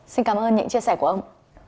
xin cảm ơn những chia sẻ của ông